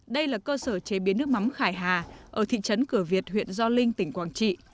đây là cơ sở chế biến nước mắm khải hà ở thị trấn cửa việt huyện gio linh tỉnh quảng trị